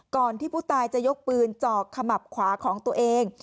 ก่อนที่ผู้ตายจะยกปืนจ่อขมับขวาของตัวเอง